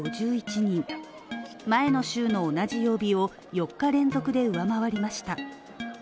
前の週の同じ曜日を４日連続で上回りました。